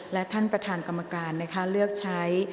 และท่านประธานกรรมการเลือกใช้